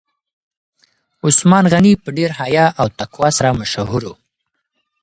عثمان غني په ډیر حیا او تقوا سره مشهور و.